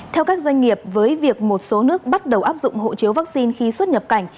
theo các doanh nghiệp với việc một số nước bắt đầu áp dụng hộ chiếu vaccine khi xuất nhập cảnh